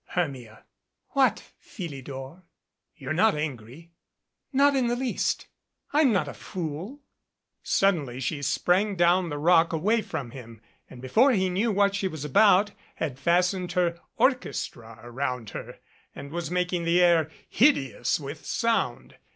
"Hermia " "What, Philidor?" "You're not angry?" "Not in the least. I'm not a fool " Suddenly she sprang down the rock away from him, and, before he knew what she was about, had fastened her "orchestra" around her and was making the air hideous with sound.